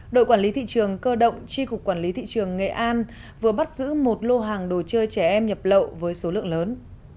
đội quản lý thị trường cơ động tri cục quản lý thị trường nghệ an vừa bắt giữ một lô hàng đồ chơi trẻ em nhập lậu với số lượng lớn